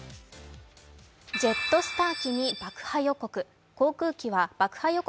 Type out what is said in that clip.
ジェットスター機に爆破予告。